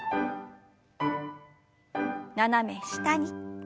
斜め下に。